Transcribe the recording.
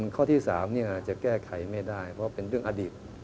ข้อที่๓จะแก้ไขไม่ได้เพราะเป็นเรื่องอดีต